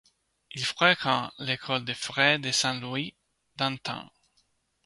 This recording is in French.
Il fréquente l'école des Frères de Saint-Louis-d'Antin.